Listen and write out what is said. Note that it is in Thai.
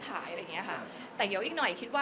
อะไรอย่างนี้ค่ะ